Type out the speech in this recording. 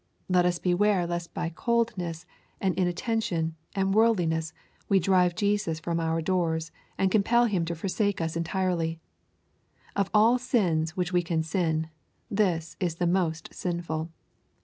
Let us beware lest by coldness, and inat tention, and worldliness, we drive Jesus from our doors, and compel Him to forsake us entirely. Of all sins which we can sin, this is the most sinful.